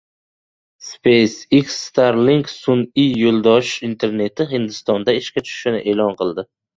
SpaceX Starlink sun’iy yo‘ldosh internetini Hindistonda ishga tushishini e’lon qildi